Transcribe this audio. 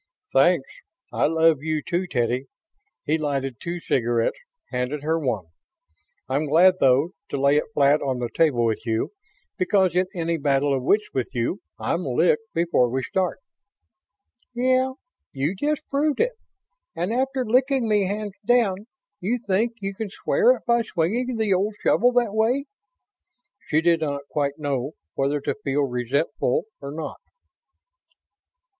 "Thanks. I love you, too, Teddy." He lighted two cigarettes, handed her one. "I'm glad, though, to lay it flat on the table with you, because in any battle of wits with you I'm licked before we start." "Yeah. You just proved it. And after licking me hands down, you think you can square it by swinging the old shovel that way?" She did not quite know whether to feel resentful or not.